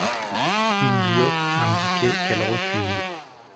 Il lui offre un bouquet qu’elle refuse.